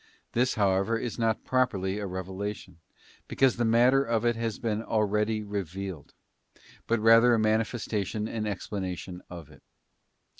This, how ever, is not properly a revelation, because the matter of it has been already revealed, but rather a manifestation and explanation of it.